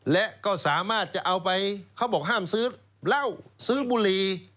และก็สามารถจะเอาไปเขาบอกห้ามซื้อเหล้าซื้อบุหรี่